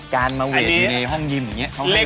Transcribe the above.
การมาเวทอยู่ในห้องยิมอย่างนี้